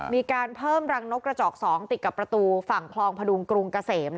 มีการเพิ่มรังนกกระจอก๒ติดกับประตูฝั่งคลองพดุงกรุงเกษม